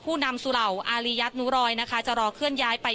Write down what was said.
พูดสิทธิ์ข่าวธรรมดาทีวีรายงานสดจากโรงพยาบาลพระนครศรีอยุธยาครับ